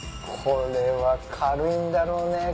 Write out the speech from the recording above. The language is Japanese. これは軽いんだろうね